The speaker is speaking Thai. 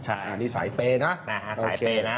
อันนี้สายเป่นะสายเป่นะ